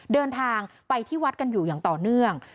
เดินทางไปที่วัดกันอยู่อย่างต่อเนื่อง